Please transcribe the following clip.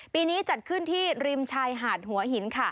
ปีนี้จัดขึ้นที่ริมชายหาดหัวหิน